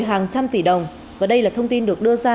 hàng trăm tỷ đồng và đây là thông tin được đưa ra